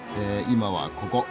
今はここ。